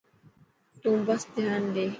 تون بس ڌيان ڏي.